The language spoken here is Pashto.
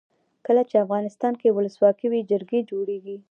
کله چې افغانستان کې ولسواکي وي جرګې جوړیږي.